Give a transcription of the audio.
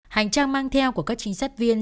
hành trang mang theo của các trịnh sát viên